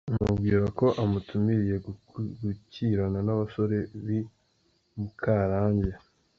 Amubwira ko amutumiriye gukirana n’abasore b’I Mukarange.